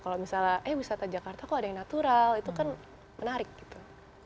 kalau misalnya eh wisata jakarta kok ada yang natural itu kan menarik gitu